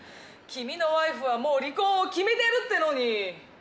君のワイフはもう離婚を決めてるってのに！